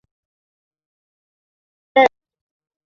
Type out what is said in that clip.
兰州鲇为鲇科鲇属的鱼类。